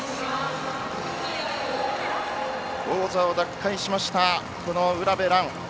王座を奪回しました卜部蘭。